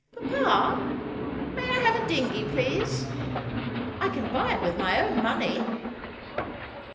' Papa, may 1 have a dingey, please ? I can buy it with my own money.'